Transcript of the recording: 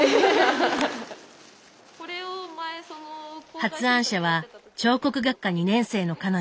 発案者は彫刻学科２年生の彼女。